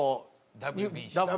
「ＷＢＣ」。